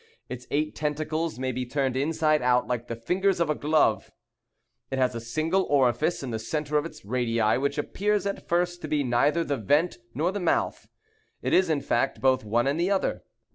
Its eight tentacles may be turned inside out like the fingers of a glove. It has a single orifice in the centre of its radii, which appears at first to be neither the vent nor the mouth. It is, in fact, both one and the other.